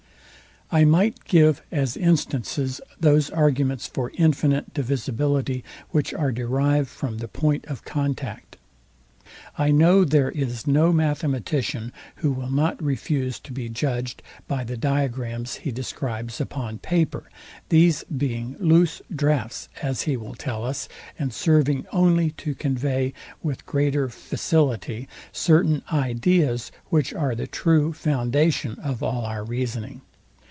I might give as instances those arguments for infinite divisibility, which are derived from the point of contact. I know there is no mathematician, who will not refuse to be judged by the diagrams he describes upon paper, these being loose draughts, as he will tell us, and serving only to convey with greater facility certain ideas, which are the true foundation of all our reasoning.